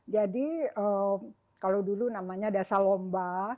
jadi kalau dulu namanya dasar lomba